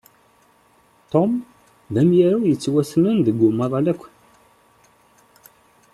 Tom d amyaru yettwassnen deg umaḍal akk.